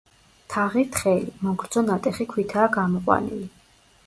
თაღი თხელი, მოგრძო ნატეხი ქვითაა გამოყვანილი.